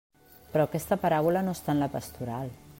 Però aquesta paràbola no està en la pastoral.